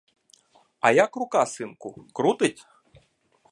Я як рука, синку, крутить?